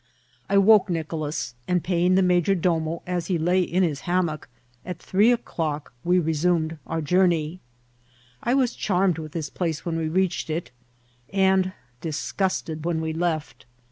I woke Nicolas, and paying the major domo as he lay in his hammock, at three o'clock we resumed our journey. I was charm ed with this place when we readied it, and disgusted when we left.